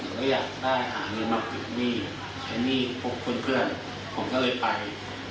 ผมก็อยากได้หาเงินมาฝึกหนี้ใช้หนี้พบเพื่อนผมก็เลยไป